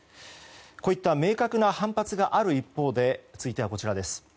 こういった明確な反発がある一方続いては、こちら。